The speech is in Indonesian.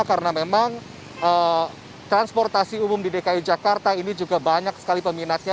karena memang transportasi umum di dki jakarta ini juga banyak sekali peminatnya